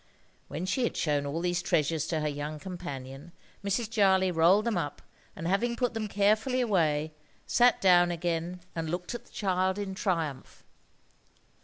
When she had shown all these treasures to her young companion, Mrs. Jarley rolled them up, and having put them carefully away, sat down again, and looked at the child in triumph.